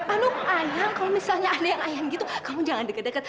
aduh ayang kalau misalnya ada yang ayang gitu kamu jangan deket deket